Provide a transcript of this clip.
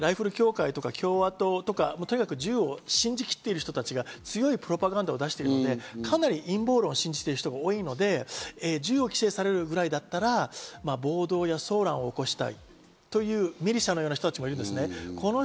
アメリカの問題はライフル協会とか共和党とかとにかく銃を信じきっている人たちが強いプロパガンダを出しているので、かなり陰謀論を信じている人が多いので、銃を規制されるくらいだったら暴動や騒乱を起こしたり、という人たちもいるんですね。